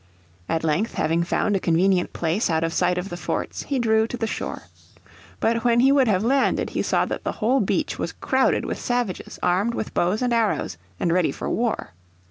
At length, having found a. convenient place out of sight of the forts, he drew to the shore. But when he would have landed he saw that the whole beach was crowded with savages armed with bows and arrows and ready for war.